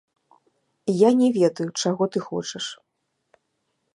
Я не ведаю, чаго ты хочаш.